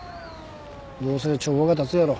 どうせ帳場が立つやろ。